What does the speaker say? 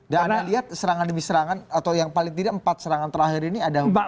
dan anda lihat serangan demi serangan atau yang paling tidak empat serangan terakhir ini ada